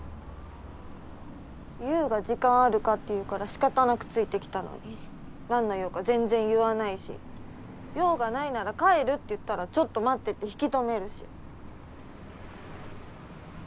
悠が「時間あるか？」って言うから仕方なくついてきたのに何の用か全然言わないし用がないなら帰るって言ったらちょっと待ってって引き止めるし。